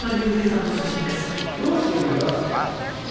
もう本当に両親よりか長くいたっていう。